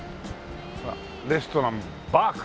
ほら「レストランばーく」。